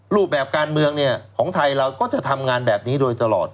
รูปแบบการเมืองของไทยเราก็จะทำงานแบบนี้โดยตลอด